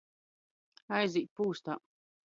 Aizīt pūstā.